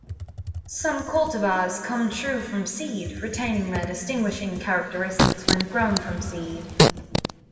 Some cultivars "come true from seed", retaining their distinguishing characteristics when grown from seed.